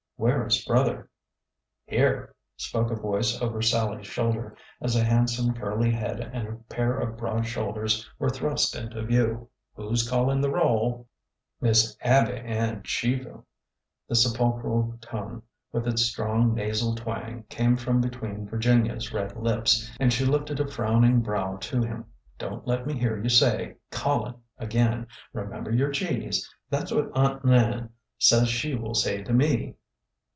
" Where is brother? "" Here !" spoke a voice over Sallie's shoulder, as a handsome curly head and a pair of broad shoulders were thrust into view. " Who 's callin' the roll ?"" Miss Abby Ann Cheever !" The sepulchral tone, with its strong nasal twang, came from between Virginia's red lips, and she lifted a frowning brow to him. " Don't let me hear you say ' callin' ' again ! Remember your g's ! That is what Aunt Nan says she will say to me."